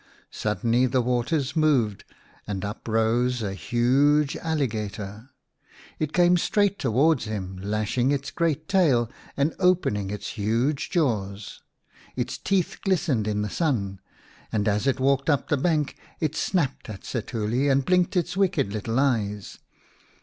Suddenly the waters moved, and up rose a huge alligator. It came straight towards him, lashing 4 i Or, the King of the Birds its great tail and opening its huge jaws. Its teeth glistened in the sun, and as it walked up the bank it snapped at Setuli and blinked its wicked little eyes.